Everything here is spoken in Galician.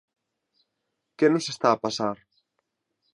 ¿Que nos está a pasar?